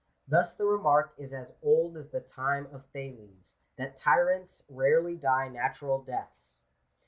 Thus the remark is as old as the time of Thales, that tyrants rarely die natural deaths.